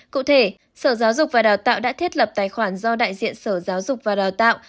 cụ thể sở giáo dục và đào tạo đã thiết lập tài khoản do đại diện sở giáo dục và đào tạo